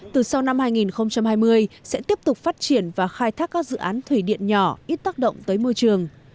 từ sau năm hai nghìn hai mươi sẽ tiếp tục phát triển và khai thác các dự án thủy điện nhỏ ít tác động tới môi trường